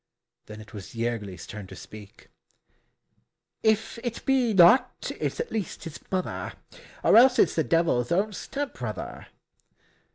Then it was Jergli's turn to speak, "If it be not, it's at least his mother, Or else it's the Devil's own step brother."